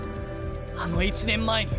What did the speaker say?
あの１年前に。